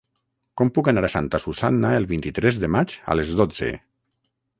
Com puc anar a Santa Susanna el vint-i-tres de maig a les dotze?